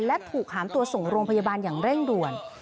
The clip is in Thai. และถูกหามตัวส่งโรงพยาบาลอย่างเร่งด่วน